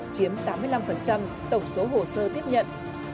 chiếm tám mươi năm tổng số hồ sơ tiếp nhận